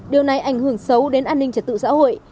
điều này ảnh hưởng xấu đến an ninh trật tự xã hội